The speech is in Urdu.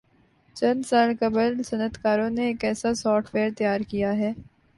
چند سال قبل صنعتکاروں نے ایک ایسا سافٹ ویئر تیار کیا ہے